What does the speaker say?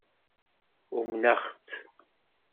Umneɣ-tt.